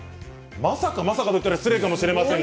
まさかまさかと言ったら失礼かもしれません。